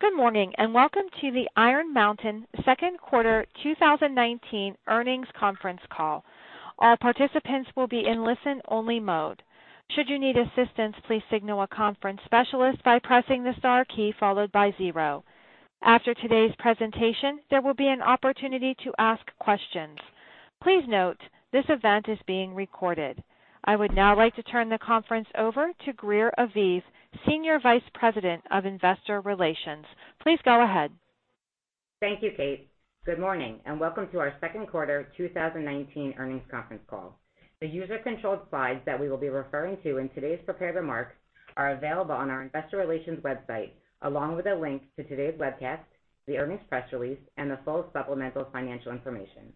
Good morning. Welcome to the Iron Mountain second quarter 2019 earnings conference call. All participants will be in listen-only mode. Should you need assistance, please signal a conference specialist by pressing the star key followed by zero. After today's presentation, there will be an opportunity to ask questions. Please note, this event is being recorded. I would now like to turn the conference over to Greer Aviv, Senior Vice President of Investor Relations. Please go ahead. Thank you, Kate. Good morning. Welcome to our second quarter 2019 earnings conference call. The user-controlled slides that we will be referring to in today's prepared remarks are available on our investor relations website, along with a link to today's webcast, the earnings press release, and the full supplemental financial information.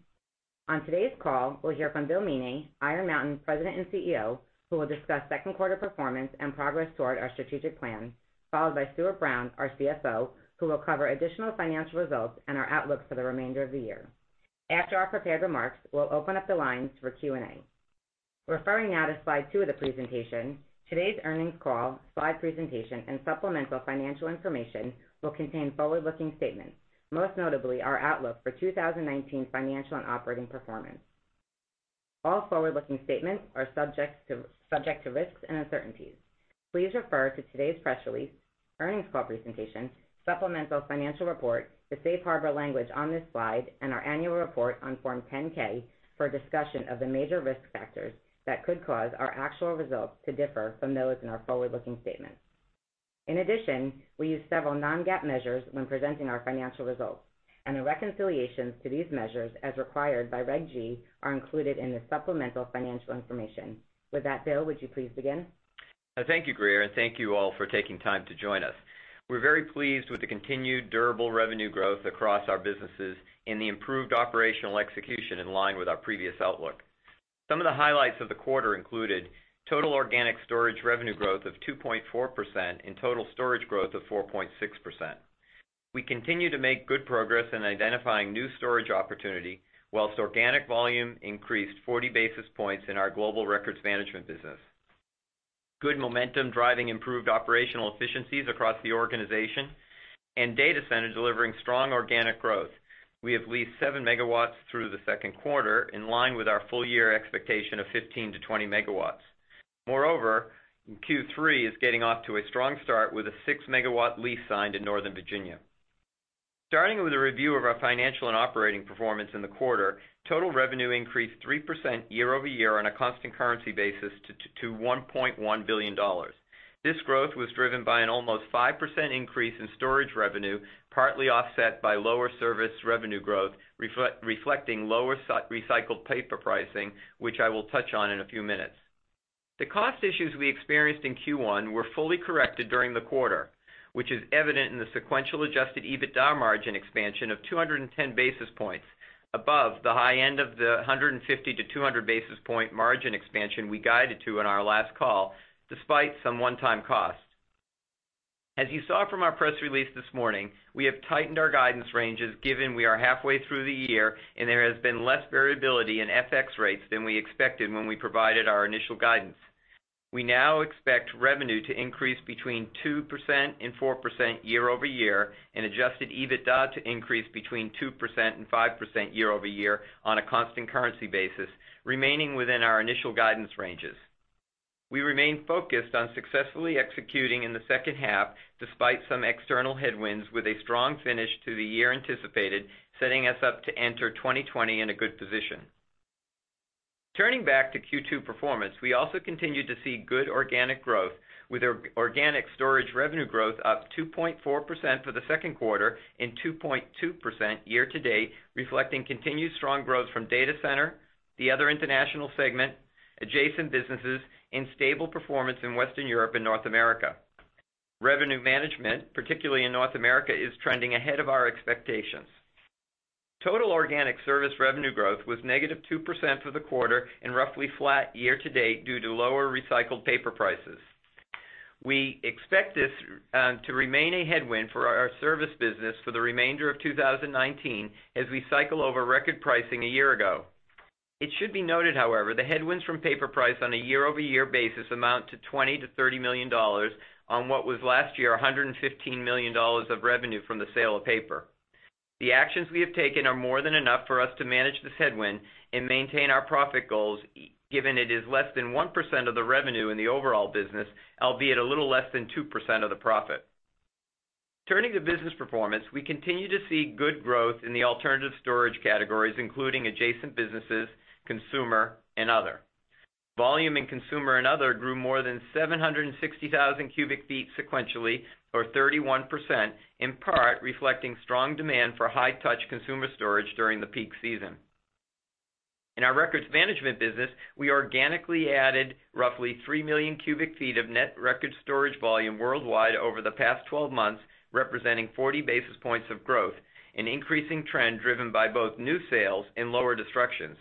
On today's call, we'll hear from William Meaney, Iron Mountain President and CEO, who will discuss second quarter performance and progress toward our strategic plan, followed by Stuart Brown, our CFO, who will cover additional financial results and our outlook for the remainder of the year. After our prepared remarks, we'll open up the lines for Q&A. Referring now to slide two of the presentation, today's earnings call, slide presentation, and supplemental financial information will contain forward-looking statements, most notably our outlook for 2019 financial and operating performance. All forward-looking statements are subject to risks and uncertainties. Please refer to today's press release, earnings call presentation, supplemental financial report, the safe harbor language on this slide, and our annual report on Form 10-K for a discussion of the major risk factors that could cause our actual results to differ from those in our forward-looking statements. In addition, we use several non-GAAP measures when presenting our financial results, and the reconciliations to these measures, as required by Regulation G, are included in the supplemental financial information. With that, Bill, would you please begin? Thank you, Greer, and thank you all for taking time to join us. We're very pleased with the continued durable revenue growth across our businesses and the improved operational execution in line with our previous outlook. Some of the highlights of the quarter included total organic storage revenue growth of 2.4% and total storage growth of 4.6%. We continue to make good progress in identifying new storage opportunity, whilst organic volume increased 40 basis points in our global records management business. Good momentum driving improved operational efficiencies across the organization and data center delivering strong organic growth. We have leased 7 MW through the second quarter, in line with our full year expectation of 15-20 MW. Moreover, Q3 is getting off to a strong start with a 6 MW lease signed in Northern Virginia. Starting with a review of our financial and operating performance in the quarter, total revenue increased 3% year-over-year on a constant currency basis to $1.1 billion. This growth was driven by an almost 5% increase in storage revenue, partly offset by lower service revenue growth, reflecting lower recycled paper pricing, which I will touch on in a few minutes. The cost issues we experienced in Q1 were fully corrected during the quarter, which is evident in the sequential Adjusted EBITDA margin expansion of 210 basis points above the high end of the 150-200 basis point margin expansion we guided to on our last call, despite some one-time costs. As you saw from our press release this morning, we have tightened our guidance ranges, given we are halfway through the year and there has been less variability in FX rates than we expected when we provided our initial guidance. We now expect revenue to increase between 2% and 4% year-over-year and Adjusted EBITDA to increase between 2% and 5% year-over-year on a constant currency basis, remaining within our initial guidance ranges. We remain focused on successfully executing in the second half despite some external headwinds with a strong finish to the year anticipated, setting us up to enter 2020 in a good position. Turning back to Q2 performance, we also continued to see good organic growth with organic storage revenue growth up 2.4% for the second quarter and 2.2% year to date, reflecting continued strong growth from data center, the other international segment, adjacent businesses, and stable performance in Western Europe and North America. Revenue management, particularly in North America, is trending ahead of our expectations. Total organic service revenue growth was negative 2% for the quarter and roughly flat year to date due to lower recycled paper prices. We expect this to remain a headwind for our service business for the remainder of 2019 as we cycle over record pricing a year ago. It should be noted, however, the headwinds from paper price on a year-over-year basis amount to $20 million-$30 million on what was last year $115 million of revenue from the sale of paper. The actions we have taken are more than enough for us to manage this headwind and maintain our profit goals, given it is less than 1% of the revenue in the overall business, albeit a little less than 2% of the profit. Turning to business performance, we continue to see good growth in the alternative storage categories, including adjacent businesses, consumer, and other. Volume in consumer and other grew more than 760,000 cubic feet sequentially or 31%, in part reflecting strong demand for high-touch consumer storage during the peak season. In our records management business, we organically added roughly 3 million cubic feet of net record storage volume worldwide over the past 12 months, representing 40 basis points of growth, an increasing trend driven by both new sales and lower destructions.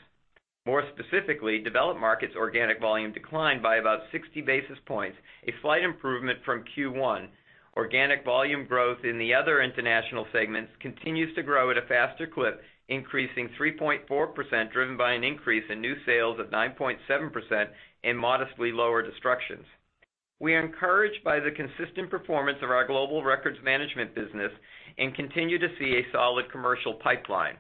More specifically, developed markets organic volume declined by about 60 basis points. A slight improvement from Q1. Organic volume growth in the other international segments continues to grow at a faster clip, increasing 3.4%, driven by an increase in new sales of 9.7% and modestly lower destructions. We are encouraged by the consistent performance of our global records management business and continue to see a solid commercial pipeline.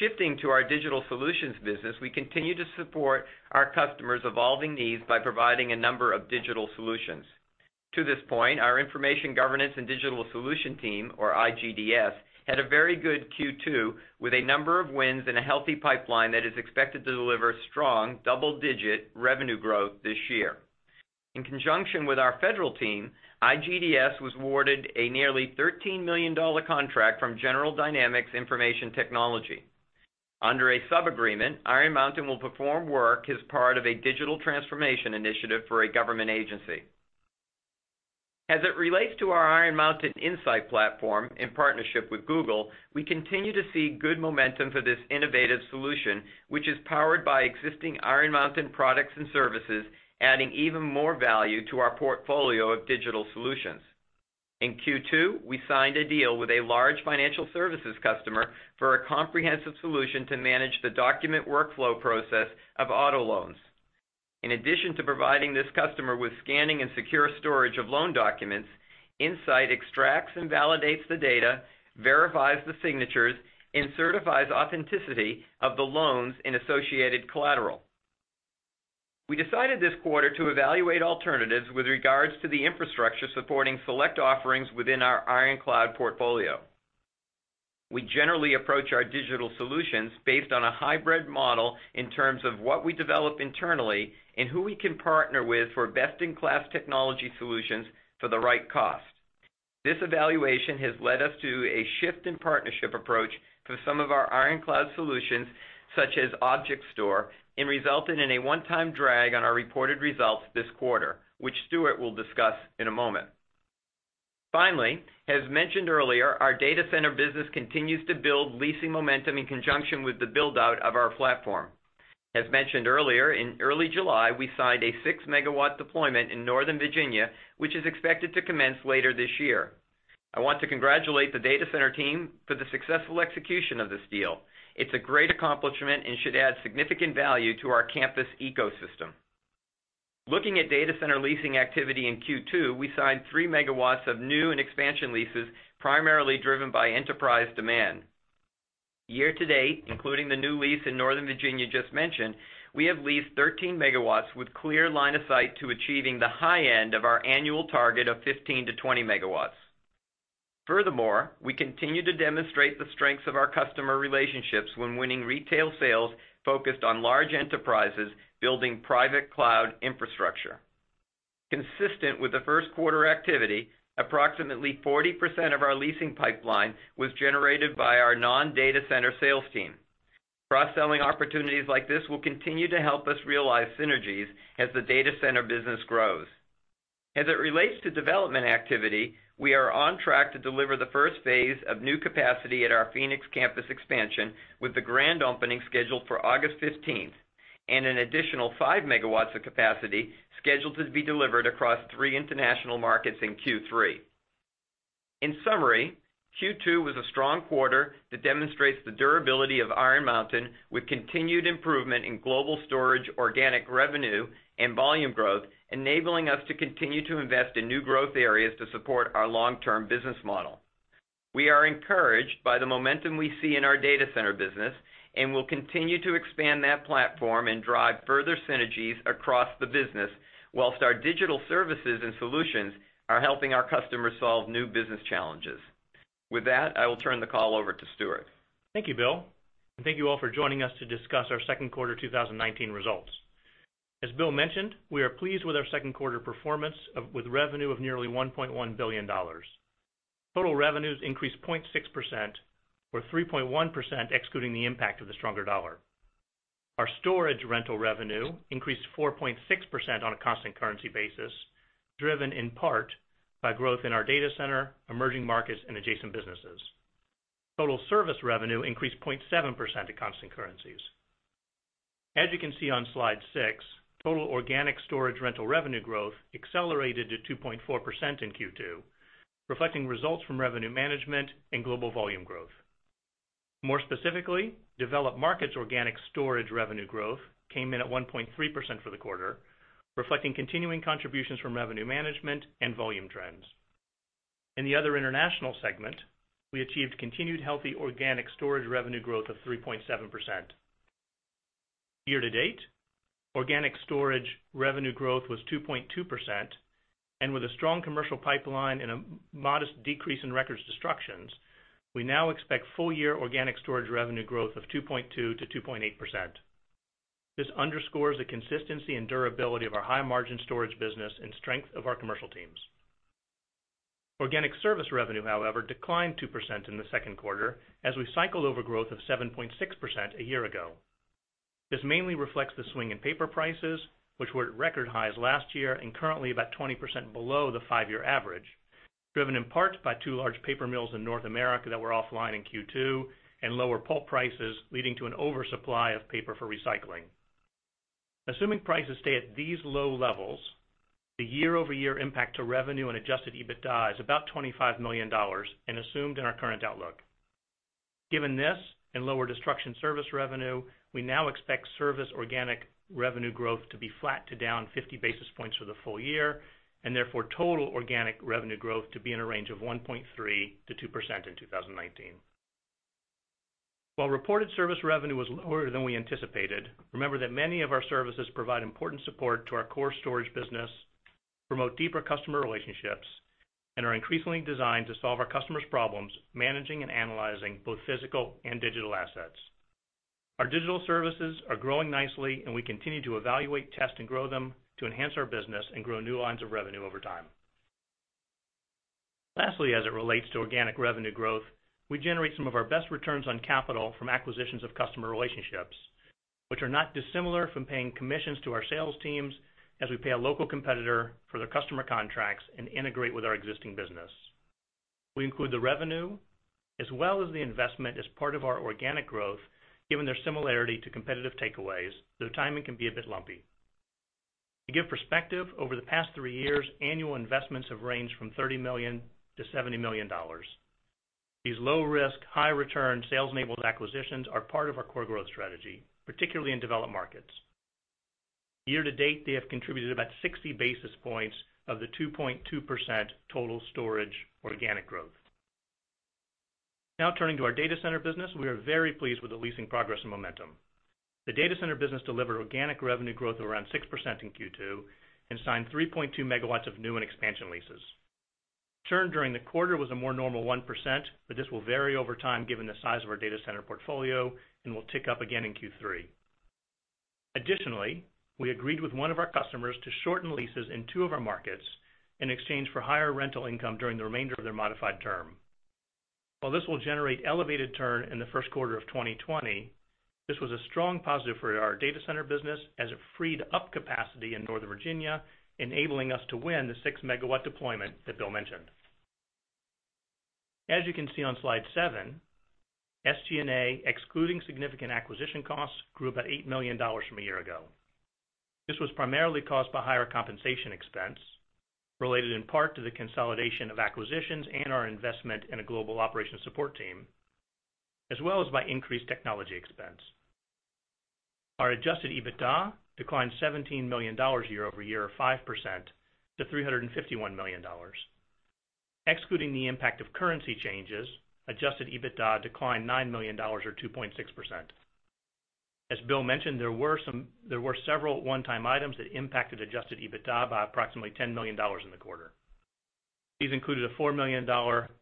Shifting to our digital solutions business, we continue to support our customers' evolving needs by providing a number of digital solutions. To this point, our information governance and digital solution team, or IGDS, had a very good Q2 with a number of wins and a healthy pipeline that is expected to deliver strong double-digit revenue growth this year. In conjunction with our federal team, IGDS was awarded a nearly $13 million contract from General Dynamics Information Technology. Under a sub-agreement, Iron Mountain will perform work as part of a digital transformation initiative for a government agency. As it relates to our Iron Mountain InSight platform in partnership with Google, we continue to see good momentum for this innovative solution, which is powered by existing Iron Mountain products and services, adding even more value to our portfolio of digital solutions. In Q2, we signed a deal with a large financial services customer for a comprehensive solution to manage the document workflow process of auto loans. In addition to providing this customer with scanning and secure storage of loan documents, InSight extracts and validates the data, verifies the signatures, and certifies authenticity of the loans and associated collateral. We decided this quarter to evaluate alternatives with regards to the infrastructure supporting select offerings within our Iron Cloud portfolio. We generally approach our digital solutions based on a hybrid model in terms of what we develop internally and who we can partner with for best-in-class technology solutions for the right cost. This evaluation has led us to a shift in partnership approach for some of our Iron Cloud solutions, such as Object Store, and resulted in a one-time drag on our reported results this quarter, which Stuart will discuss in a moment. Finally, as mentioned earlier, our data center business continues to build leasing momentum in conjunction with the build-out of our platform. As mentioned earlier, in early July, we signed a 6 MW deployment in Northern Virginia, which is expected to commence later this year. I want to congratulate the data center team for the successful execution of this deal. It's a great accomplishment and should add significant value to our campus ecosystem. Looking at data center leasing activity in Q2, we signed 3 MW of new and expansion leases, primarily driven by enterprise demand. Year to date, including the new lease in Northern Virginia just mentioned, we have leased 13 MW with clear line of sight to achieving the high end of our annual target of 15-20 MW. Furthermore, we continue to demonstrate the strengths of our customer relationships when winning retail sales focused on large enterprises building private cloud infrastructure. Consistent with the first quarter activity, approximately 40% of our leasing pipeline was generated by our non-data center sales team. Cross-selling opportunities like this will continue to help us realize synergies as the data center business grows. As it relates to development activity, we are on track to deliver the first phase of new capacity at our Phoenix campus expansion, with the grand opening scheduled for August 15th, and an additional 5 MW of capacity scheduled to be delivered across three international markets in Q3. In summary, Q2 was a strong quarter that demonstrates the durability of Iron Mountain with continued improvement in global storage, organic revenue, and volume growth, enabling us to continue to invest in new growth areas to support our long-term business model. We are encouraged by the momentum we see in our data center business and will continue to expand that platform and drive further synergies across the business, while our digital services and solutions are helping our customers solve new business challenges. With that, I will turn the call over to Stuart. Thank you, Bill, and thank you all for joining us to discuss our second quarter 2019 results. As Bill mentioned, we are pleased with our second quarter performance with revenue of nearly $1.1 billion. Total revenues increased 0.6%, or 3.1% excluding the impact of the stronger dollar. Our storage rental revenue increased 4.6% on a constant currency basis, driven in part by growth in our data center, emerging markets, and adjacent businesses. Total service revenue increased 0.7% at constant currencies. As you can see on slide six, total organic storage rental revenue growth accelerated to 2.4% in Q2, reflecting results from revenue management and global volume growth. More specifically, developed markets organic storage revenue growth came in at 1.3% for the quarter, reflecting continuing contributions from revenue management and volume trends. In the other international segment, we achieved continued healthy organic storage revenue growth of 3.7%. Year to date, organic storage revenue growth was 2.2%, with a strong commercial pipeline and a modest decrease in records destructions, we now expect full-year organic storage revenue growth of 2.2%-2.8%. This underscores the consistency and durability of our high-margin storage business and strength of our commercial teams. Organic service revenue, however, declined 2% in the second quarter as we cycled over growth of 7.6% a year ago. This mainly reflects the swing in paper prices, which were at record highs last year and currently about 20% below the five-year average, driven in part by two large paper mills in North America that were offline in Q2, and lower pulp prices, leading to an oversupply of paper for recycling. Assuming prices stay at these low levels, the year-over-year impact to revenue and Adjusted EBITDA is about $25 million and assumed in our current outlook. Given this and lower destruction service revenue, we now expect service organic revenue growth to be flat to down 50 basis points for the full year, and therefore total organic revenue growth to be in a range of 1.3%-2% in 2019. While reported service revenue was lower than we anticipated, remember that many of our services provide important support to our core storage business, promote deeper customer relationships, and are increasingly designed to solve our customers' problems, managing and analyzing both physical and digital assets. Our digital services are growing nicely, and we continue to evaluate, test, and grow them to enhance our business and grow new lines of revenue over time. Lastly, as it relates to organic revenue growth, we generate some of our best returns on capital from acquisitions of customer relationships, which are not dissimilar from paying commissions to our sales teams as we pay a local competitor for their customer contracts and integrate with our existing business. We include the revenue as well as the investment as part of our organic growth, given their similarity to competitive takeaways, though timing can be a bit lumpy. To give perspective, over the past three years, annual investments have ranged from $30 million-$70 million. These low-risk, high-return sales-enabled acquisitions are part of our core growth strategy, particularly in developed markets. Year to date, they have contributed about 60 basis points of the 2.2% total storage organic growth. Now turning to our data center business, we are very pleased with the leasing progress and momentum. The data center business delivered organic revenue growth of around 6% in Q2 and signed 3.2 megawatts of new and expansion leases. Churn during the quarter was a more normal 1%, but this will vary over time given the size of our data center portfolio and will tick up again in Q3. Additionally, we agreed with one of our customers to shorten leases in two of our markets in exchange for higher rental income during the remainder of their modified term. While this will generate elevated churn in the first quarter of 2020, this was a strong positive for our data center business as it freed up capacity in Northern Virginia, enabling us to win the 6-megawatt deployment that Bill mentioned. As you can see on slide seven, SG&A, excluding significant acquisition costs, grew by $8 million from a year ago. This was primarily caused by higher compensation expense, related in part to the consolidation of acquisitions and our investment in a global operations support team, as well as by increased technology expense. Our Adjusted EBITDA declined $17 million year-over-year or 5% to $351 million. Excluding the impact of currency changes, Adjusted EBITDA declined $9 million or 2.6%. As Bill mentioned, there were several one-time items that impacted Adjusted EBITDA by approximately $10 million in the quarter. These included a $4 million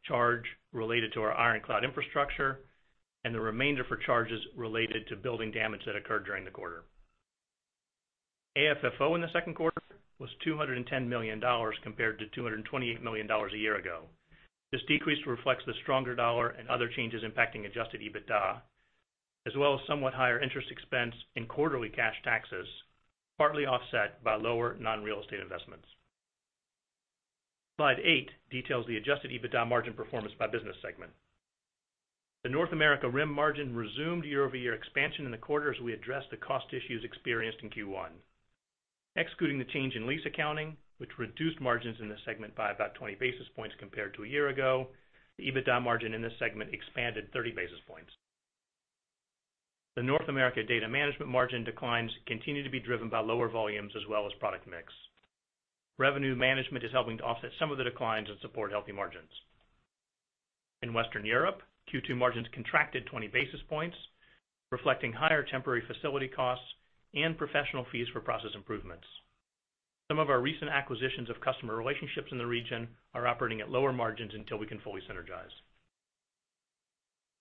charge related to our Iron Cloud infrastructure and the remainder for charges related to building damage that occurred during the quarter. AFFO in the second quarter was $210 million compared to $228 million a year ago. This decrease reflects the stronger dollar and other changes impacting Adjusted EBITDA, as well as somewhat higher interest expense in quarterly cash taxes, partly offset by lower non-real estate investments. Slide eight details the Adjusted EBITDA margin performance by business segment. The North America RIM margin resumed year-over-year expansion in the quarter as we addressed the cost issues experienced in Q1. Excluding the change in lease accounting, which reduced margins in the segment by about 20 basis points compared to a year ago, the EBITDA margin in this segment expanded 30 basis points. The North America Data Management margin declines continue to be driven by lower volumes as well as product mix. Revenue management is helping to offset some of the declines and support healthy margins. In Western Europe, Q2 margins contracted 20 basis points, reflecting higher temporary facility costs and professional fees for process improvements. Some of our recent acquisitions of customer relationships in the region are operating at lower margins until we can fully synergize.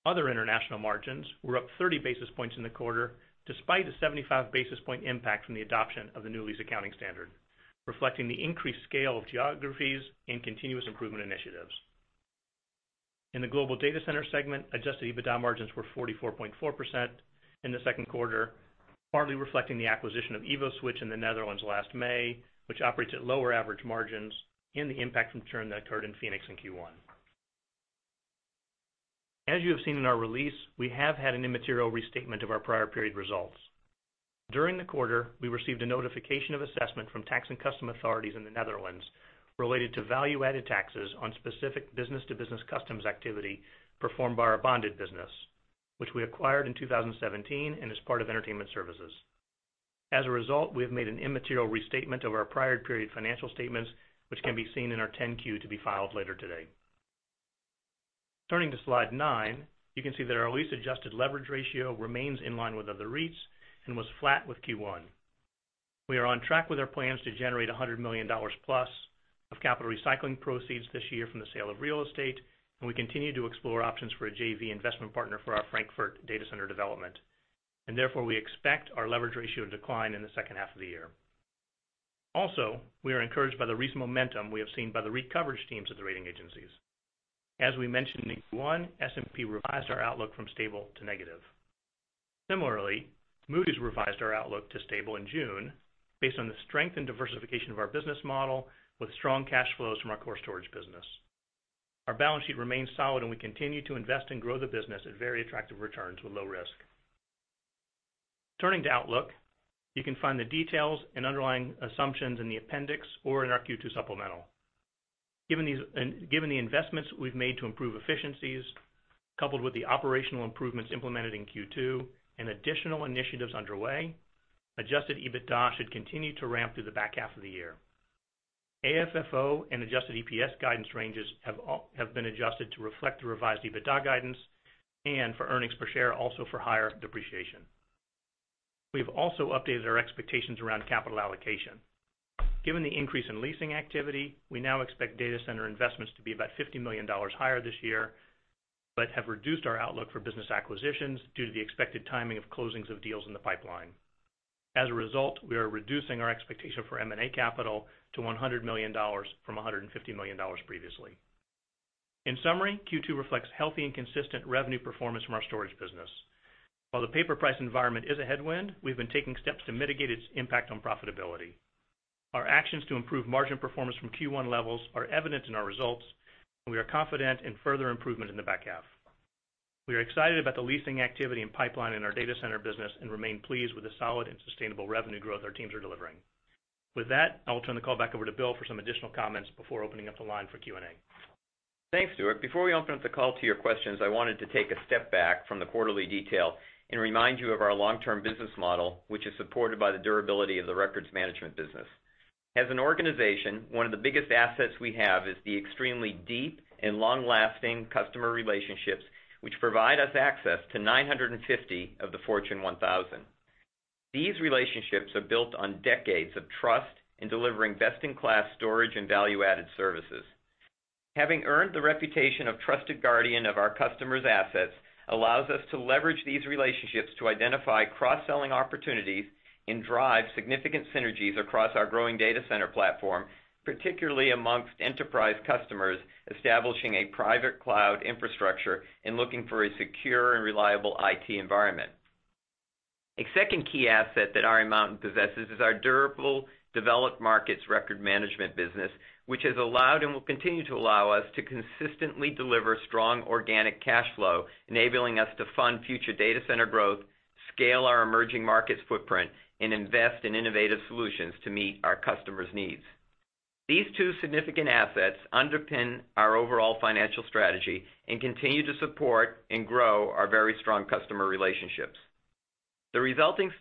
Other international margins were up 30 basis points in the quarter, despite a 75 basis point impact from the adoption of the new lease accounting standard, reflecting the increased scale of geographies and continuous improvement initiatives. In the global data center segment, Adjusted EBITDA margins were 44.4% in the second quarter, partly reflecting the acquisition of EvoSwitch in the Netherlands last May, which operates at lower average margins and the impact from churn that occurred in Phoenix in Q1. As you have seen in our release, we have had an immaterial restatement of our prior period results. During the quarter, we received a notification of assessment from tax and custom authorities in the Netherlands related to value-added taxes on specific business-to-business customs activity performed by our bonded business, which we acquired in 2017 and is part of entertainment services. As a result, we have made an immaterial restatement of our prior period financial statements, which can be seen in our 10-Q to be filed later today. Turning to slide nine, you can see that our lease adjusted leverage ratio remains in line with other REITs and was flat with Q1. We are on track with our plans to generate $100 million+ of capital recycling proceeds this year from the sale of real estate, and we continue to explore options for a JV investment partner for our Frankfurt data center development. Therefore, we expect our leverage ratio to decline in the second half of the year. Also, we are encouraged by the recent momentum we have seen by the re-coverage teams at the rating agencies. As we mentioned in Q1, S&P revised our outlook from stable to negative. Similarly, Moody's revised our outlook to stable in June based on the strength and diversification of our business model with strong cash flows from our core storage business. Our balance sheet remains solid, and we continue to invest and grow the business at very attractive returns with low risk. Turning to outlook, you can find the details and underlying assumptions in the appendix or in our Q2 supplemental. Given the investments we've made to improve efficiencies, coupled with the operational improvements implemented in Q2 and additional initiatives underway, Adjusted EBITDA should continue to ramp through the back half of the year. AFFO and Adjusted EPS guidance ranges have been adjusted to reflect the revised EBITDA guidance and for earnings per share, also for higher depreciation. We've also updated our expectations around capital allocation. Given the increase in leasing activity, we now expect data center investments to be about $50 million higher this year, but have reduced our outlook for business acquisitions due to the expected timing of closings of deals in the pipeline. As a result, we are reducing our expectation for M&A capital to $100 million from $150 million previously. In summary, Q2 reflects healthy and consistent revenue performance from our storage business. While the paper price environment is a headwind, we've been taking steps to mitigate its impact on profitability. Our actions to improve margin performance from Q1 levels are evident in our results, and we are confident in further improvement in the back half. We are excited about the leasing activity and pipeline in our data center business and remain pleased with the solid and sustainable revenue growth our teams are delivering. With that, I will turn the call back over to Bill for some additional comments before opening up the line for Q&A. Thanks, Stuart. Before we open up the call to your questions, I wanted to take a step back from the quarterly detail and remind you of our long-term business model, which is supported by the durability of the records management business. As an organization, one of the biggest assets we have is the extremely deep and long-lasting customer relationships, which provide us access to 950 of the Fortune 1000. These relationships are built on decades of trust in delivering best-in-class storage and value-added services. Having earned the reputation of trusted guardian of our customers' assets allows us to leverage these relationships to identify cross-selling opportunities and drive significant synergies across our growing data center platform, particularly amongst enterprise customers establishing a private cloud infrastructure and looking for a secure and reliable IT environment. A second key asset that Iron Mountain possesses is our durable developed markets record management business, which has allowed and will continue to allow us to consistently deliver strong organic cash flow, enabling us to fund future data center growth, scale our emerging markets footprint, and invest in innovative solutions to meet our customers' needs. These two significant assets underpin our overall financial strategy and continue to support and grow our very strong customer relationships. The resulting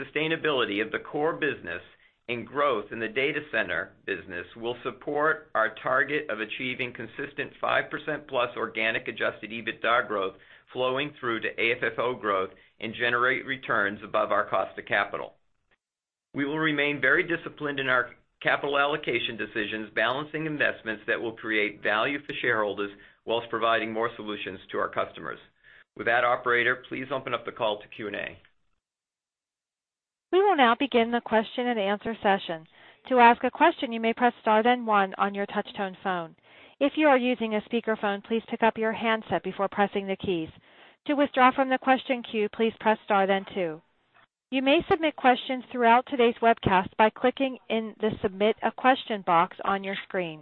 sustainability of the core business and growth in the data center business will support our target of achieving consistent 5%+ organic Adjusted EBITDA growth flowing through to AFFO growth and generate returns above our cost of capital. We will remain very disciplined in our capital allocation decisions, balancing investments that will create value for shareholders whilst providing more solutions to our customers. With that, operator, please open up the call to Q&A. We will now begin the question and answer session. To ask a question, you may press star then 1 on your touch-tone phone. If you are using a speakerphone, please pick up your handset before pressing the keys. To withdraw from the question queue, please press star then 2. You may submit questions throughout today's webcast by clicking in the Submit a Question box on your screen.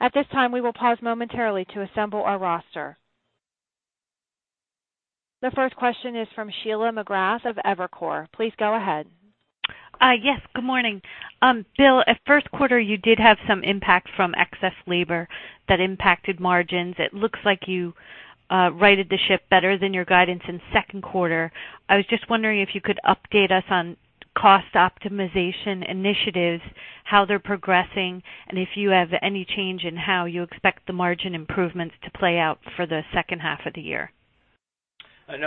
At this time, we will pause momentarily to assemble our roster. The first question is from Sheila McGrath of Evercore. Please go ahead. Yes, good morning. Bill, at first quarter, you did have some impact from excess labor that impacted margins. It looks like you righted the ship better than your guidance in second quarter. I was just wondering if you could update us on cost optimization initiatives, how they're progressing, and if you have any change in how you expect the margin improvements to play out for the second half of the year.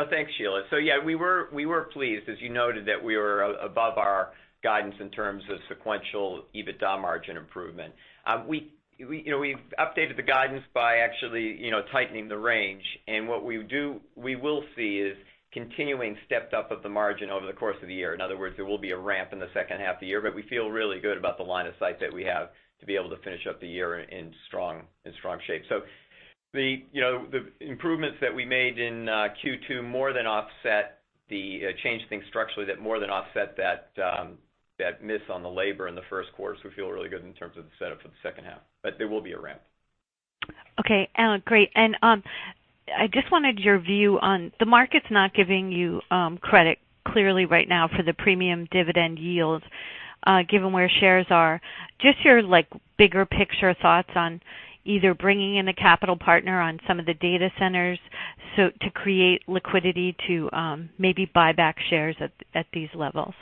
Thanks, Sheila. Yeah, we were pleased, as you noted, that we were above our guidance in terms of sequential EBITDA margin improvement. We've updated the guidance by actually tightening the range and what we will see is continuing stepped up of the margin over the course of the year. In other words, there will be a ramp in the second half of the year, but we feel really good about the line of sight that we have to be able to finish up the year in strong shape. The improvements that we made in Q2 more than offset the change structurally that more than offset that miss on the labor in the first quarter. We feel really good in terms of the setup for the second half, but there will be a ramp. Okay, great. I just wanted your view on the market's not giving you credit clearly right now for the premium dividend yield, given where shares are. Just your bigger picture thoughts on either bringing in a capital partner on some of the data centers to create liquidity to maybe buy back shares at these levels?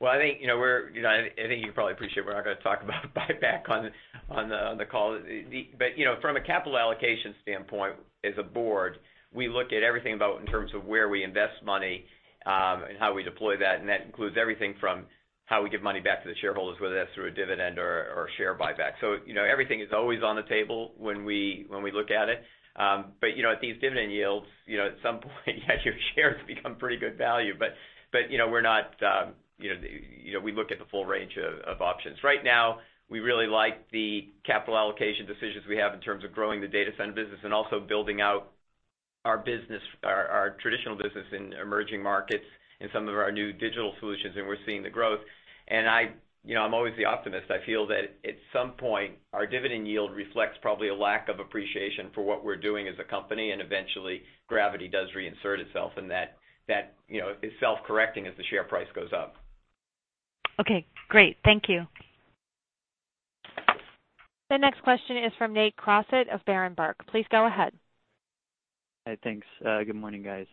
Well, I think you probably appreciate we're not going to talk about buyback on the call. From a capital allocation standpoint, as a board, we look at everything about in terms of where we invest money and how we deploy that, and that includes everything from how we give money back to the shareholders, whether that's through a dividend or share buyback. Everything is always on the table when we look at it. At these dividend yields, at some point your shares become pretty good value. We look at the full range of options. Right now, we really like the capital allocation decisions we have in terms of growing the data center business and also building out our traditional business in emerging markets and some of our new digital solutions, and we're seeing the growth. I'm always the optimist. I feel that at some point our dividend yield reflects probably a lack of appreciation for what we're doing as a company, and eventually gravity does reinsert itself, and that is self-correcting as the share price goes up. Okay, great. Thank you. The next question is from Nate Crossett of Berenberg. Please go ahead. Hi, thanks. Good morning, guys.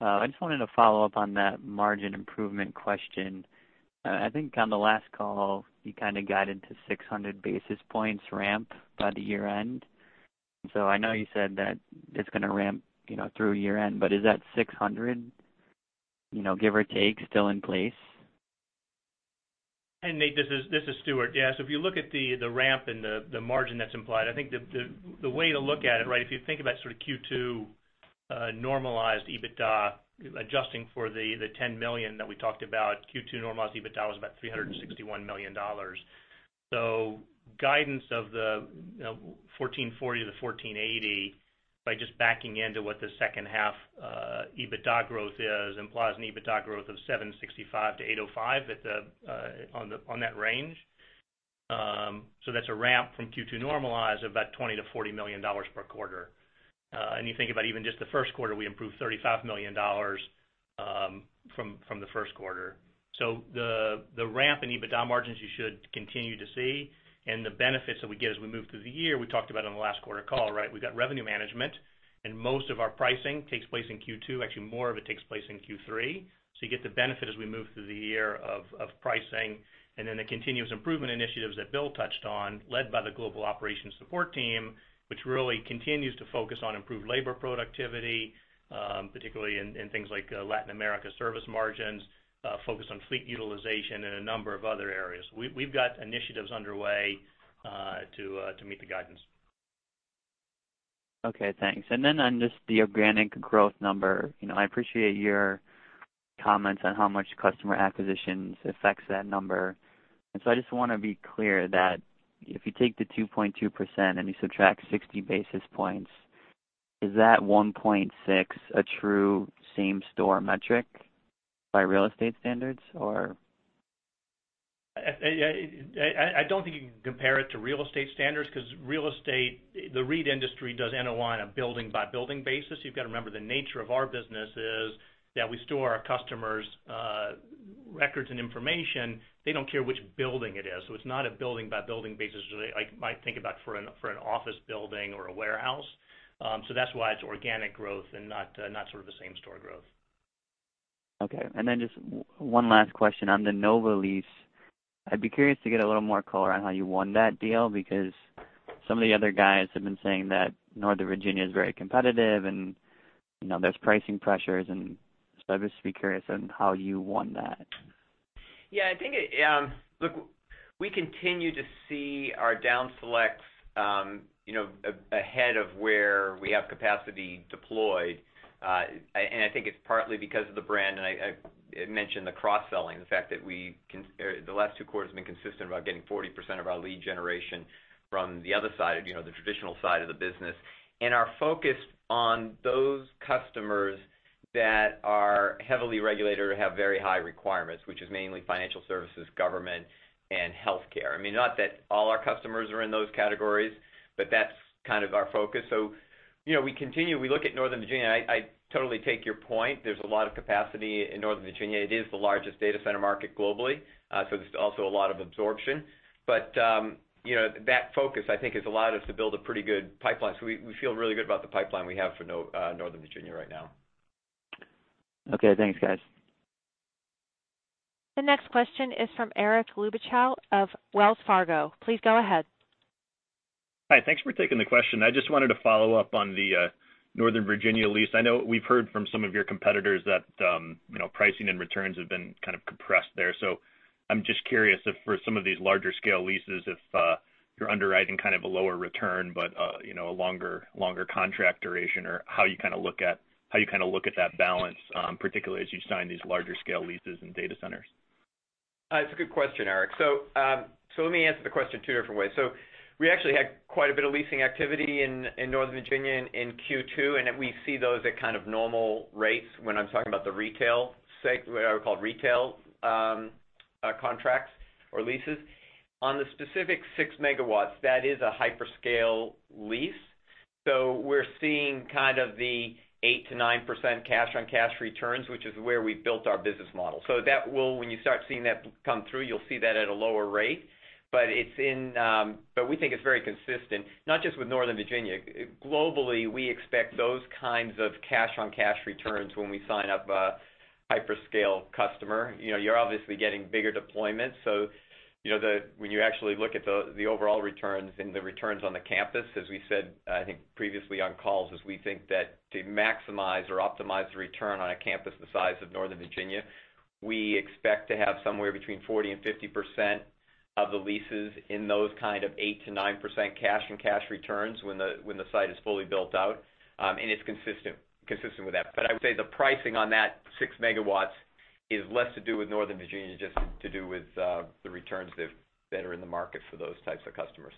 I just wanted to follow up on that margin improvement question. I think on the last call, you kind of guided to 600 basis points ramp by the year-end. I know you said that it's going to ramp through year-end, but is that 600, give or take, still in place? Hey, Nate, this is Stuart. If you look at the ramp and the margin that's implied, I think the way to look at it, if you think about sort of Q2 normalized EBITDA, adjusting for the $10 million that we talked about, Q2 normalized EBITDA was about $361 million. Guidance of the $1,440-$1,480, by just backing into what the second half EBITDA growth is, implies an EBITDA growth of $765-$805 on that range. That's a ramp from Q2 normalized of about $20 million-$40 million per quarter. You think about even just the first quarter, we improved $35 million from the first quarter. The ramp in EBITDA margins you should continue to see, and the benefits that we get as we move through the year, we talked about on the last quarter call. We've got revenue management, and most of our pricing takes place in Q2. Actually, more of it takes place in Q3. You get the benefit as we move through the year of pricing and then the continuous improvement initiatives that Bill touched on, led by the global operations support team, which really continues to focus on improved labor productivity, particularly in things like Latin America service margins, focused on fleet utilization and a number of other areas. We've got initiatives underway to meet the guidance. Okay, thanks. On just the organic growth number, I appreciate your comments on how much customer acquisitions affects that number. I just want to be clear that if you take the 2.2% and you subtract 60 basis points, is that 1.6 a true same-store metric by real estate standards, or? I don't think you can compare it to real estate standards because real estate, the REIT industry does NOI on a building-by-building basis. You've got to remember the nature of our business is that we store our customers' records and information. They don't care which building it is, so it's not a building-by-building basis as I might think about for an office building or a warehouse. That's why it's organic growth and not sort of a same-store growth. Okay. Just one last question on the NoVA lease. I'd be curious to get a little more color on how you won that deal, because some of the other guys have been saying that Northern Virginia is very competitive and there's pricing pressures. I'd just be curious on how you won that. Yeah. Look, we continue to see our down select ahead of where we have capacity deployed. I think it's partly because of the brand, and I mentioned the cross-selling, the fact that the last two quarters have been consistent about getting 40% of our lead generation from the other side, the traditional side of the business. Our focus on those customers that are heavily regulated or have very high requirements, which is mainly financial services, government, and healthcare. Not that all our customers are in those categories, but that's kind of our focus. We look at Northern Virginia, and I totally take your point. There's a lot of capacity in Northern Virginia. It is the largest data center market globally, there's also a lot of absorption. That focus, I think, has allowed us to build a pretty good pipeline. We feel really good about the pipeline we have for Northern Virginia right now. Okay, thanks, guys. The next question is from Eric Luebchow of Wells Fargo. Please go ahead. Hi, thanks for taking the question. I just wanted to follow up on the Northern Virginia lease. I know we've heard from some of your competitors that pricing and returns have been kind of compressed there. I'm just curious if for some of these larger scale leases, if you're underwriting kind of a lower return but a longer contract duration, or how you kind of look at that balance, particularly as you sign these larger scale leases in data centers. It's a good question, Eric. Let me answer the question two different ways. We actually had quite a bit of leasing activity in Northern Virginia in Q2, and we see those at kind of normal rates when I'm talking about the retail, what I would call retail contracts or leases. On the specific 6 MW, that is a hyperscale lease. We're seeing kind of the 8%-9% cash-on-cash returns, which is where we built our business model. When you start seeing that come through, you'll see that at a lower rate. We think it's very consistent, not just with Northern Virginia. Globally, we expect those kinds of cash-on-cash returns when we sign up a hyperscale customer. You're obviously getting bigger deployments. When you actually look at the overall returns and the returns on the campus, as we said, I think previously on calls, is we think that to maximize or optimize the return on a campus the size of Northern Virginia, we expect to have somewhere between 40% and 50% of the leases in those kind of 8%-9% cash-on-cash returns when the site is fully built out. It's consistent with that. I would say the pricing on that six megawatts is less to do with Northern Virginia, just to do with the returns that are in the market for those types of customers.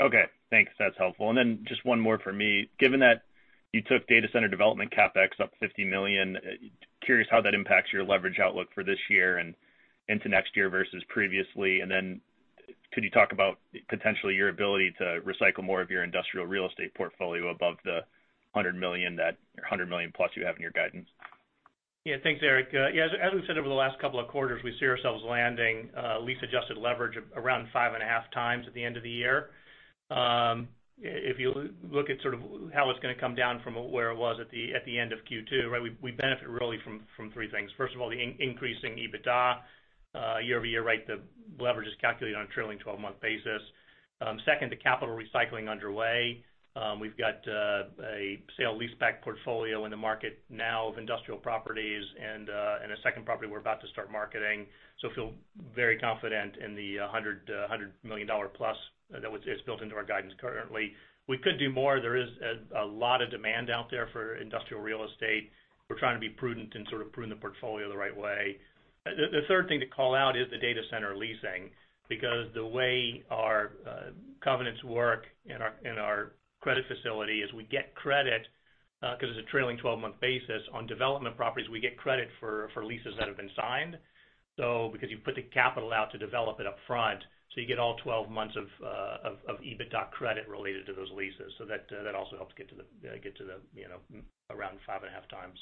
Okay, thanks. That's helpful. Just one more for me. Given that you took data center development CapEx up $50 million, curious how that impacts your leverage outlook for this year and into next year versus previously. Could you talk about potentially your ability to recycle more of your industrial real estate portfolio above the $100 million plus you have in your guidance? Thanks, Eric. As we've said over the last couple of quarters, we see ourselves landing lease-adjusted leverage around 5.5 times at the end of the year. If you look at how it's going to come down from where it was at the end of Q2, we benefit really from three things. First of all, the increasing EBITDA year-over-year rate. The leverage is calculated on a trailing 12-month basis. Second, the capital recycling underway. We've got a sale-leaseback portfolio in the market now of industrial properties and a second property we're about to start marketing. Feel very confident in the $100 million plus that is built into our guidance currently. We could do more. There is a lot of demand out there for industrial real estate. We're trying to be prudent and prune the portfolio the right way. The third thing to call out is the data center leasing, because the way our covenants work in our credit facility is we get credit, because it's a trailing 12-month basis, on development properties, we get credit for leases that have been signed. Because you put the capital out to develop it up front, so you get all 12 months of EBITDA credit related to those leases. That also helps get to the around five and a half times.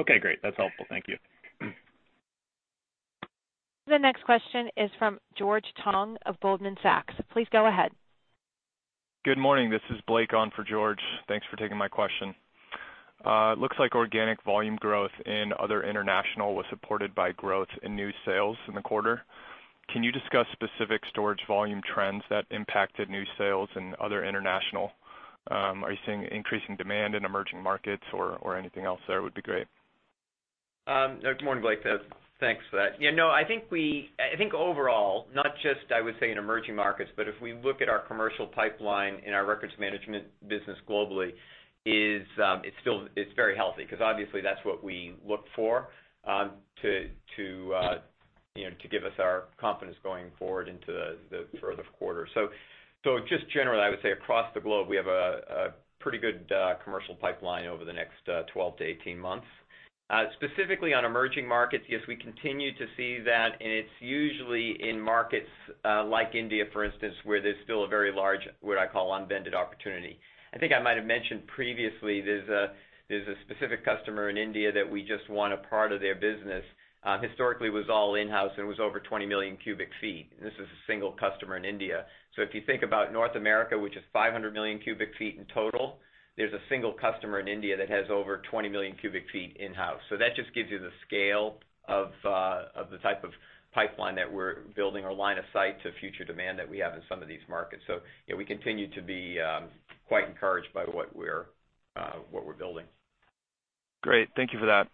Okay, great. That's helpful. Thank you. The next question is from George Tong of Goldman Sachs. Please go ahead. Good morning. This is Blake on for George. Thanks for taking my question. Looks like organic volume growth in other international was supported by growth in new sales in the quarter. Can you discuss specific storage volume trends that impacted new sales in other international? Are you seeing increasing demand in emerging markets or anything else there would be great? Good morning, Blake. Thanks for that. I think overall, not just, I would say, in emerging markets, but if we look at our commercial pipeline and our records management business globally, it's very healthy because obviously that's what we look for to give us our confidence going forward into the further quarters. Just generally, I would say across the globe, we have a pretty good commercial pipeline over the next 12 to 18 months. Specifically on emerging markets, yes, we continue to see that, and it's usually in markets like India, for instance, where there's still a very large, what I call unbranded opportunity. I think I might have mentioned previously, there's a specific customer in India that we just won a part of their business. Historically, it was all in-house, and it was over 20 million cubic feet. This is a single customer in India. If you think about North America, which is 500 million cubic feet in total, there's a single customer in India that has over 20 million cubic feet in-house. That just gives you the scale of the type of pipeline that we're building our line of sight to future demand that we have in some of these markets. We continue to be quite encouraged by what we're building. Great. Thank you for that.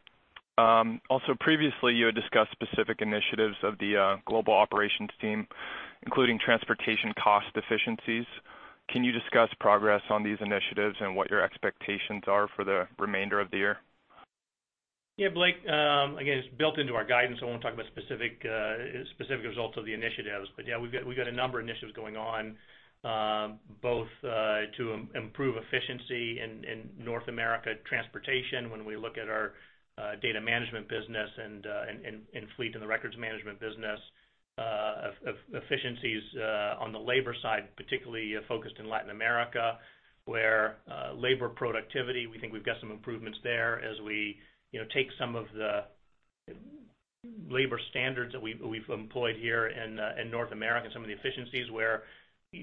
Previously, you had discussed specific initiatives of the global operations team, including transportation cost efficiencies. Can you discuss progress on these initiatives and what your expectations are for the remainder of the year? Blake, again, it's built into our guidance. I won't talk about specific results of the initiatives. We've got a number of initiatives going on both to improve efficiency in North America transportation when we look at our data management business and fleet in the records management business. Efficiencies on the labor side, particularly focused in Latin America, where labor productivity, we think we've got some improvements there as we take some of the labor standards that we've employed here in North America and some of the efficiencies where,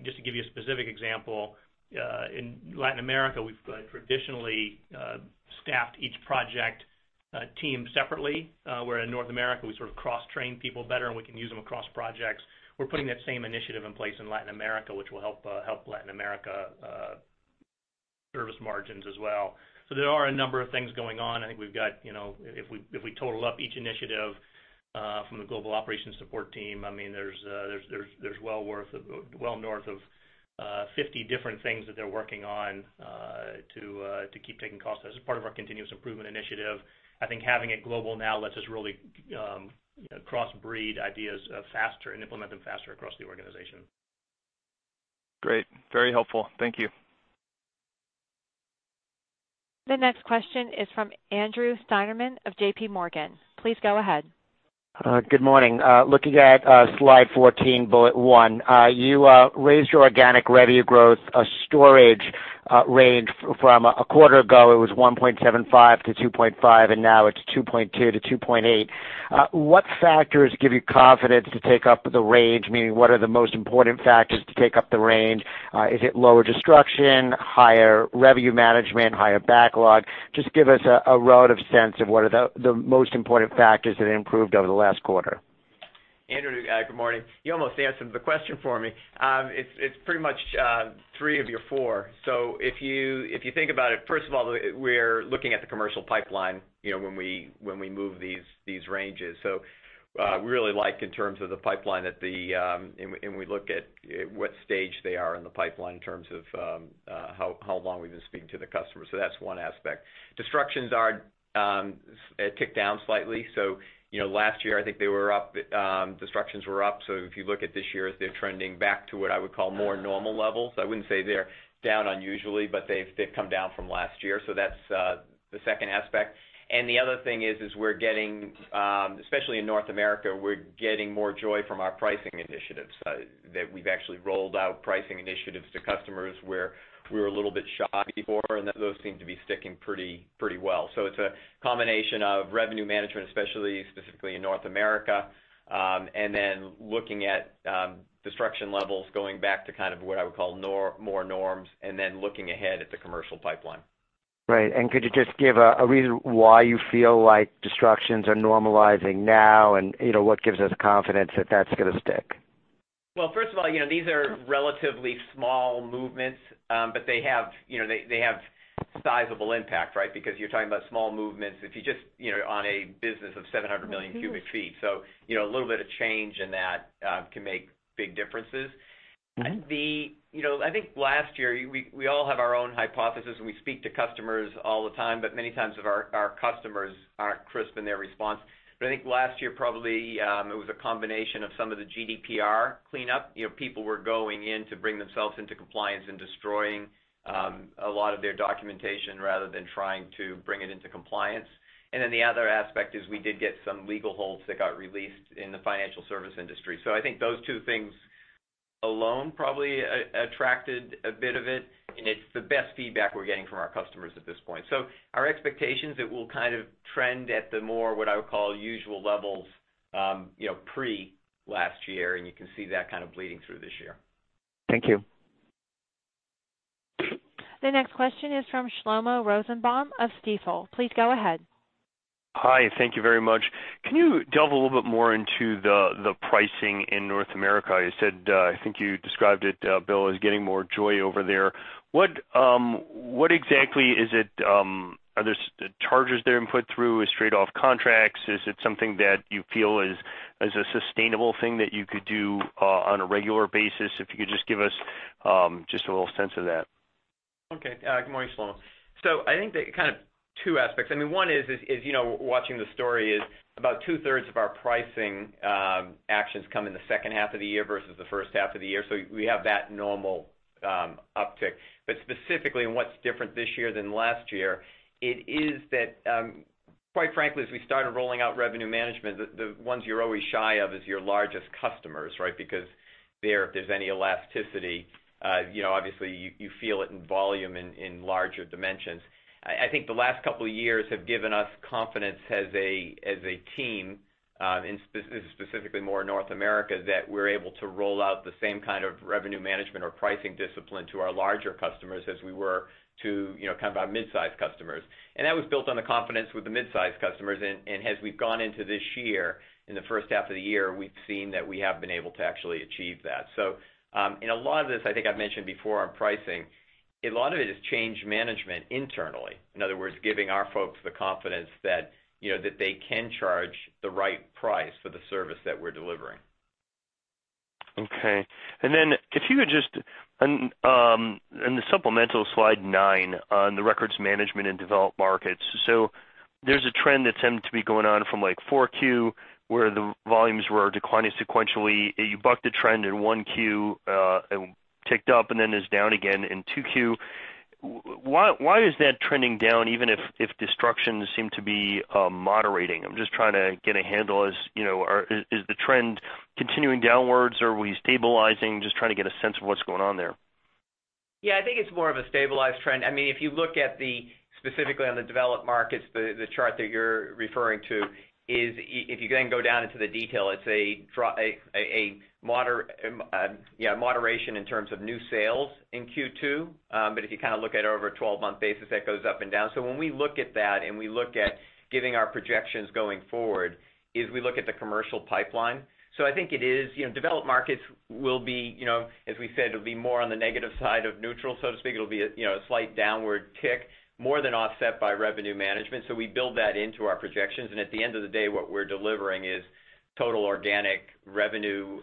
just to give you a specific example, in Latin America, we've traditionally staffed each project team separately, where in North America, we sort of cross-train people better, and we can use them across projects. We're putting that same initiative in place in Latin America, which will help Latin America service margins as well. There are a number of things going on. I think we've got, if we total up each initiative from the global operations support team, there's well north of 50 different things that they're working on to keep taking costs out. As part of our continuous improvement initiative, I think having it global now lets us really cross-breed ideas faster and implement them faster across the organization. Great. Very helpful. Thank you. The next question is from Andrew Steinerman of JPMorgan. Please go ahead. Good morning. Looking at slide 14, bullet 1. You raised your organic revenue growth storage range from a quarter ago, it was 1.75%-2.5%, and now it's 2.2%-2.8%. What factors give you confidence to take up the range? Meaning, what are the most important factors to take up the range? Is it lower destruction, higher revenue management, higher backlog? Just give us a relative sense of what are the most important factors that improved over the last quarter. Andrew, good morning. You almost answered the question for me. It's pretty much three of your four. If you think about it, first of all, we're looking at the commercial pipeline when we move these ranges. We really like in terms of the pipeline, and we look at what stage they are in the pipeline in terms of how long we've been speaking to the customer. That's one aspect. Destructions are kicked down slightly. Last year, I think destructions were up. If you look at this year, they're trending back to what I would call more normal levels. I wouldn't say they're down unusually, but they've come down from last year. That's the second aspect. The other thing is, especially in North America, we're getting more joy from our pricing initiatives, that we've actually rolled out pricing initiatives to customers where we were a little bit shy before, and those seem to be sticking pretty well. It's a combination of revenue management, specifically in North America, and then looking at destruction levels, going back to what I would call more norms, and then looking ahead at the commercial pipeline. Right. Could you just give a reason why you feel like destructions are normalizing now? What gives us confidence that that's going to stick? First of all, these are relatively small movements, but they have sizable impact, right? You're talking about small movements on a business of 700 million cubic feet. A little bit of change in that can make big differences. I think last year, we all have our own hypothesis, and we speak to customers all the time, but many times our customers aren't crisp in their response. I think last year probably, it was a combination of some of the GDPR cleanup. People were going in to bring themselves into compliance and destroying a lot of their documentation rather than trying to bring it into compliance. The other aspect is we did get some legal holds that got released in the financial service industry. I think those two things alone probably attracted a bit of it, and it's the best feedback we're getting from our customers at this point. Our expectations, it will kind of trend at the more, what I would call usual levels pre last year, and you can see that kind of bleeding through this year. Thank you. The next question is from Shlomo Rosenbaum of Stifel. Please go ahead. Hi. Thank you very much. Can you delve a little bit more into the pricing in North America? I think you described it, Bill, as getting more joy over there. Are there charges they're input through? Is straight off contracts? Is it something that you feel is a sustainable thing that you could do on a regular basis? If you could just give us just a little sense of that. Okay. Good morning, Shlomo. I think kind of two aspects. One is watching the story is about two-thirds of our pricing actions come in the second half of the year versus the first half of the year. We have that normal uptick. Specifically in what's different this year than last year, it is that, quite frankly, as we started rolling out revenue management, the ones you're always shy of is your largest customers, right? Because there, if there's any elasticity, obviously you feel it in volume in larger dimensions. I think the last couple of years have given us confidence as a team, and specifically more North America, that we're able to roll out the same kind of revenue management or pricing discipline to our larger customers as we were to our mid-size customers. That was built on the confidence with the mid-size customers. As we've gone into this year, in the first half of the year, we've seen that we have been able to actually achieve that. In a lot of this, I think I've mentioned before on pricing, a lot of it is change management internally. In other words, giving our folks the confidence that they can charge the right price for the service that we're delivering. Okay. In the supplemental slide nine on the records management in developed markets. There's a trend that seemed to be going on from 4Q, where the volumes were declining sequentially. You bucked a trend in 1Q, it ticked up and then is down again in 2Q. Why is that trending down even if destructions seem to be moderating? I'm just trying to get a handle, is the trend continuing downwards or are we stabilizing? Just trying to get a sense of what's going on there. Yeah, I think it's more of a stabilized trend. If you look specifically on the developed markets, the chart that you're referring to is if you then go down into the detail, it's a moderation in terms of new sales in Q2. If you look at it over a 12-month basis, that goes up and down. When we look at that and we look at giving our projections going forward, is we look at the commercial pipeline. I think developed markets will be, as we said, it'll be more on the negative side of neutral, so to speak. It'll be a slight downward tick, more than offset by revenue management. We build that into our projections, and at the end of the day, what we're delivering is total organic revenue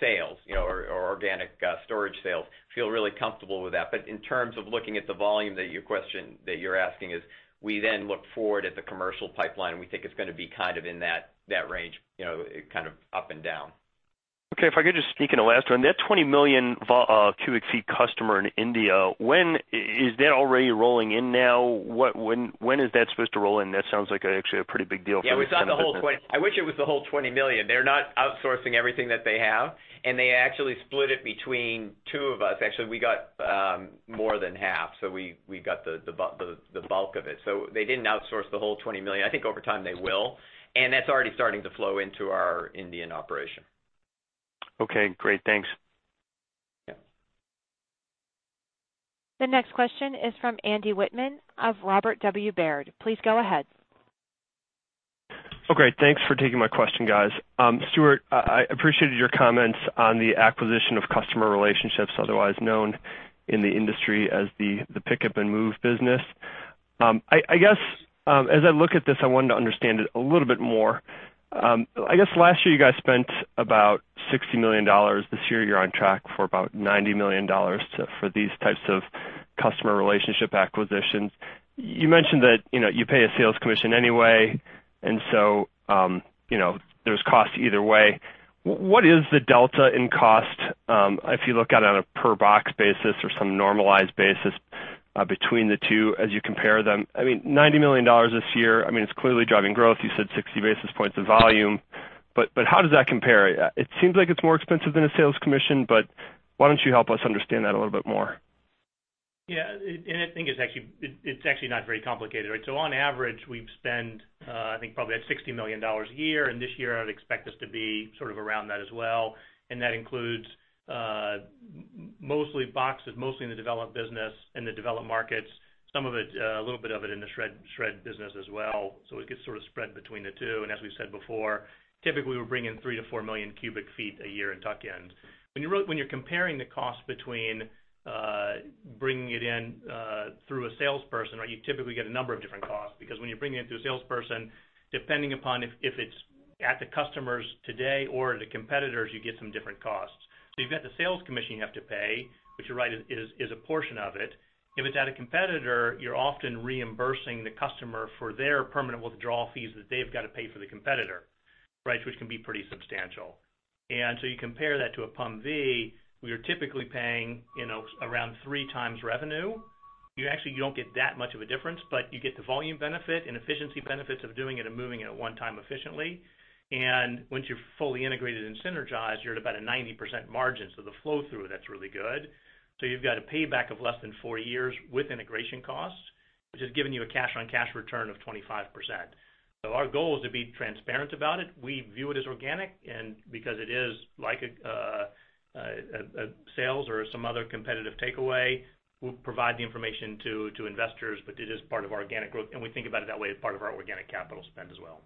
sales or organic storage sales. We feel really comfortable with that. In terms of looking at the volume that you're asking is we then look forward at the commercial pipeline, and we think it's going to be in that range, up and down. Okay. If I could just sneak in a last one. That 20 million cubic feet customer in India, is that already rolling in now? When is that supposed to roll in? That sounds like actually a pretty big deal for. Yeah, I wish it was the whole $20 million. They're not outsourcing everything that they have, and they actually split it between two of us. Actually, we got more than half, so we got the bulk of it. They didn't outsource the whole $20 million. I think over time they will, and that's already starting to flow into our Indian operation. Okay, great. Thanks. Yeah. The next question is from Andrew Wittmann of Robert W. Baird. Please go ahead. Okay, thanks for taking my question, guys. Stuart, I appreciated your comments on the acquisition of customer relationships, otherwise known in the industry as the pickup and move business. As I look at this, I wanted to understand it a little bit more. Last year you guys spent about $60 million. This year, you're on track for about $90 million for these types of customer relationship acquisitions. You mentioned that you pay a sales commission anyway, and so there's cost either way. What is the delta in cost, if you look at it on a per box basis or some normalized basis between the two as you compare them? $90 million this year, it's clearly driving growth. You said 60 basis points of volume, but how does that compare? It seems like it's more expensive than a sales commission, but why don't you help us understand that a little bit more? Yeah. I think it's actually not very complicated, right? On average, we spend I think probably at $60 million a year, and this year I would expect us to be sort of around that as well. That includes mostly boxes, mostly in the developed business, in the developed markets, a little bit of it in the shred business as well. It gets sort of spread between the two. As we've said before, typically we bring in 3 million-4 million cubic feet a year in tuck-ins. When you're comparing the cost between bringing it in through a salesperson, you typically get a number of different costs, because when you're bringing it through a salesperson, depending upon if it's at the customers today or the competitors, you get some different costs. You've got the sales commission you have to pay, which you're right, is a portion of it. If it's at a competitor, you're often reimbursing the customer for their permanent withdrawal fees that they've got to pay for the competitor, which can be pretty substantial. You compare that to a PUMV, we are typically paying around three times revenue. You actually don't get that much of a difference, but you get the volume benefit and efficiency benefits of doing it and moving it at one time efficiently. Once you're fully integrated and synergized, you're at about a 90% margin. The flow through of that's really good. You've got a payback of less than four years with integration costs, which is giving you a cash on cash return of 25%. Our goal is to be transparent about it. We view it as organic, because it is like a sales or some other competitive takeaway, we'll provide the information to investors. It is part of our organic growth, and we think about it that way as part of our organic capital spend as well.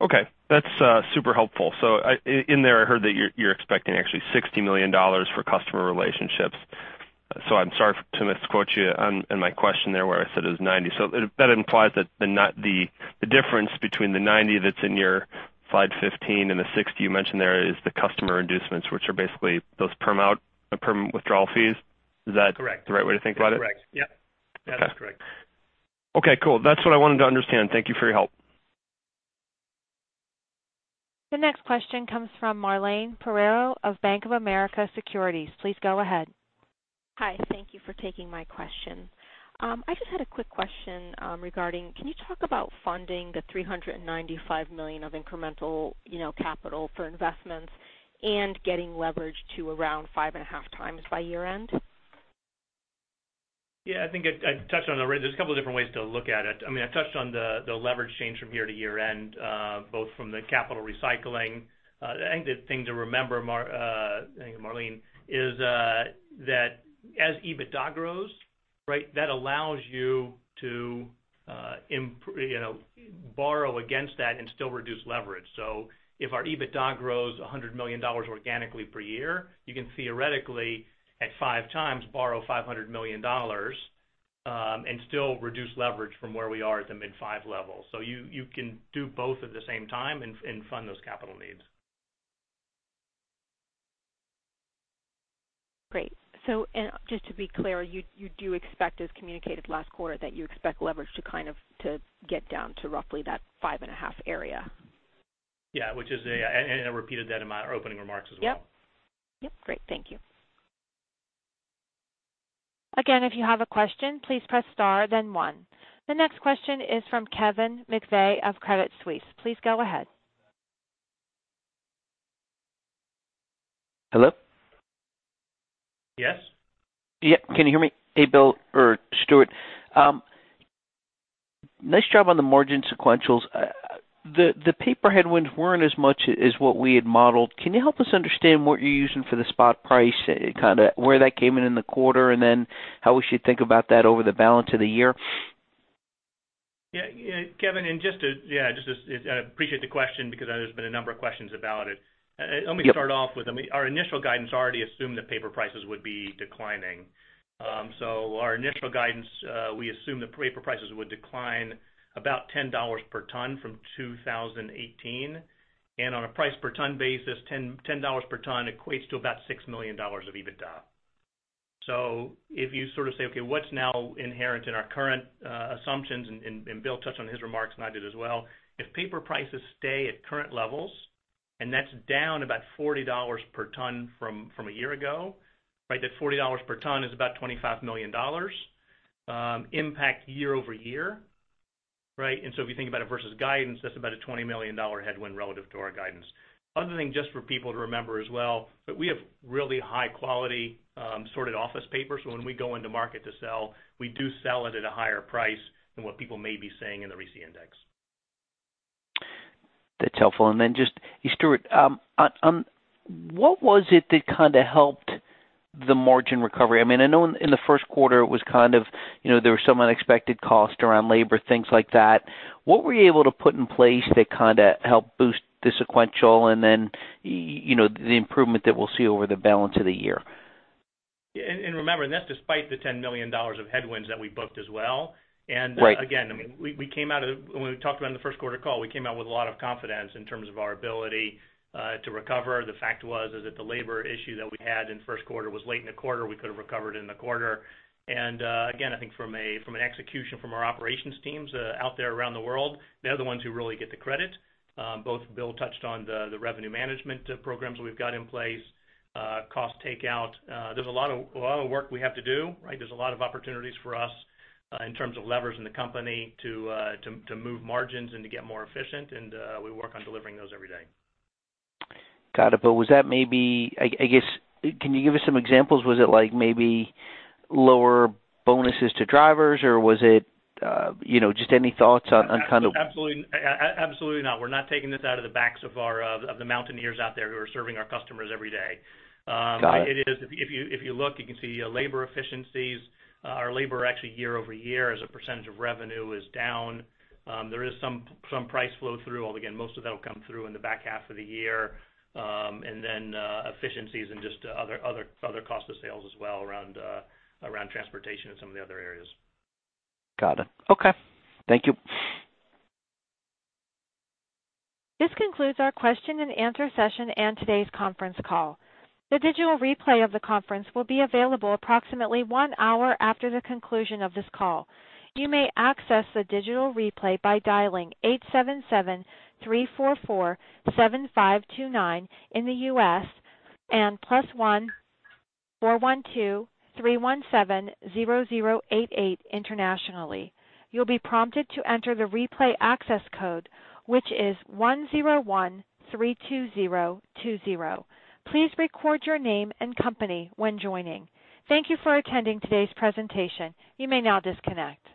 Okay. That's super helpful. In there, I heard that you're expecting actually $60 million for customer relationships. I'm sorry to misquote you on my question there where I said it was 90. That implies that the difference between the 90 that's in your slide 15 and the 60 you mentioned there is the customer inducements, which are basically those perm out and permanent withdrawal fees. Is that? Correct the right way to think about it? That's correct. Yep. Okay. That is correct. Okay, cool. That's what I wanted to understand. Thank you for your help. The next question comes from Marlane Pereiro of Bank of America Securities. Please go ahead. Hi. Thank you for taking my question. I just had a quick question. Can you talk about funding the $395 million of incremental capital for investments and getting leverage to around 5.5x by year-end? I think I touched on it already. There's a couple of different ways to look at it. I touched on the leverage change from year-to-year-end, both from the capital recycling. I think the thing to remember, Marlane, is that as EBITDA grows, that allows you to borrow against that and still reduce leverage. If our EBITDA grows $100 million organically per year, you can theoretically, at 5 times, borrow $500 million, and still reduce leverage from where we are at the mid-5 level. You can do both at the same time and fund those capital needs. Great. Just to be clear, you do expect, as communicated last quarter, that you expect leverage to kind of get down to roughly that five and a half area? Yeah. I repeated that in my opening remarks as well. Yep. Great. Thank you. Again, if you have a question, please press star then one. The next question is from Kevin McVeigh of Credit Suisse. Please go ahead. Hello? Yes. Yeah. Can you hear me? Hey, Stuart. Nice job on the margin sequentials. The paper headwinds weren't as much as what we had modeled. Can you help us understand what you're using for the spot price, kind of where that came in in the quarter, and then how we should think about that over the balance of the year? Yeah. Kevin, I appreciate the question because there's been a number of questions about it. Yep. Let me start off with our initial guidance already assumed that paper prices would be declining. Our initial guidance, we assumed that paper prices would decline about $10 per ton from 2018. On a price per ton basis, $10 per ton equates to about $6 million of EBITDA. If you sort of say, okay, what's now inherent in our current assumptions, and Bill touched on it in his remarks, and I did as well. If paper prices stay at current levels, and that's down about $40 per ton from a year ago, that $40 per ton is about $25 million impact year-over-year. If you think about it versus guidance, that's about a $20 million headwind relative to our guidance. Other thing just for people to remember as well, that we have really high quality sorted office paper. When we go into market to sell, we do sell it at a higher price than what people may be seeing in the RISI Index. That's helpful. Just, hey, Stuart, on what was it that kind of helped the margin recovery? I know in the first quarter there were some unexpected costs around labor, things like that. What were you able to put in place that kind of helped boost the sequential and then the improvement that we'll see over the balance of the year? Remember, that's despite the $10 million of headwinds that we booked as well. Right. Again, when we talked about in the first quarter call, we came out with a lot of confidence in terms of our ability to recover. The fact was is that the labor issue that we had in the first quarter was late in the quarter. We could have recovered in the quarter. Again, I think from an execution from our operations teams out there around the world, they're the ones who really get the credit. Both Bill touched on the revenue management programs we've got in place, cost takeout. There's a lot of work we have to do, right? There's a lot of opportunities for us in terms of levers in the company to move margins and to get more efficient, and we work on delivering those every day. Got it. Was that maybe, I guess, can you give us some examples? Was it maybe lower bonuses to drivers or was it just any thoughts on kind of? Absolutely not. We're not taking this out of the backs of the Mountaineers out there who are serving our customers every day. Got it. If you look, you can see labor efficiencies. Our labor actually year-over-year as a percentage of revenue is down. There is some price flow through, although again, most of that will come through in the back half of the year. Then efficiencies and just other cost of sales as well around transportation and some of the other areas. Got it. Okay. Thank you. This concludes our question and answer session and today's conference call. The digital replay of the conference will be available approximately one hour after the conclusion of this call. You may access the digital replay by dialing 877-344-7529 in the U.S. and +1-412-317-0088 internationally. You'll be prompted to enter the replay access code, which is 10132020. Please record your name and company when joining. Thank you for attending today's presentation. You may now disconnect.